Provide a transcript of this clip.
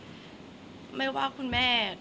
แต่ขวัญไม่สามารถสวมเขาให้แม่ขวัญได้